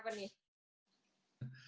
gimana mas iman karakternya